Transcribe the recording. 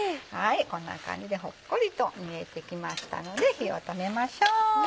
こんな感じでほっこりと煮えてきましたので火を止めましょう。